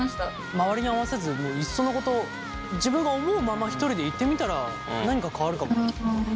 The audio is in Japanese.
周りに合わせずいっそのこと自分が思うままひとりでいってみたら何か変わるかも。